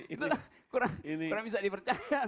itulah kurang bisa dipercaya